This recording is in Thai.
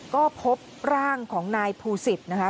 ก็พบร่างของนายภูศิษฐ์นะคะ